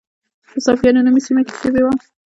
په صافیانو نومي سیمه کې شوې وه.